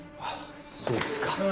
そうですか。